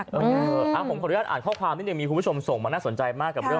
ผมขออนุญาตอ่านข้อความที่ยังมีคุณผู้ชมส่งมาน่าสนใจมาก